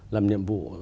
là nhiệm vụ